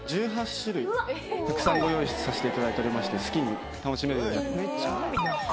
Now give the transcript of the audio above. １８種類たくさんご用意させていただいておりまして好きに楽しめるようになってます